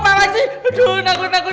profesional tapi takut